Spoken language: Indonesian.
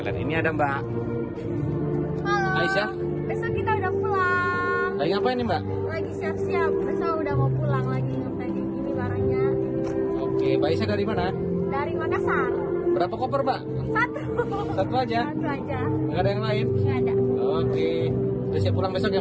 lihat ini ada mbak aisyah besok kita udah pulang lagi siap siap sudah mau pulang lagi